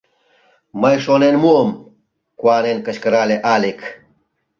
— Мый шонен муым! — куанен кычкырале Алик.